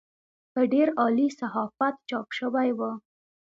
په ډېر عالي صحافت چاپ شوې وه.